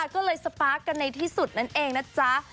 ก็เลยสปาร์คกันในที่สุดนั่นเองนะจ๊ะ